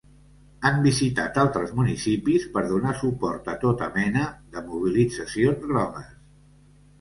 Han visitat altres municipis per donar suport a tota mena de mobilitzacions grogues.